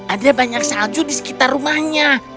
ada banyak salju di sekitar rumahnya